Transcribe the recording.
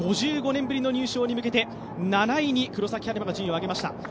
５５年ぶりの入賞に向けて７位に黒崎播磨が順位を上げました。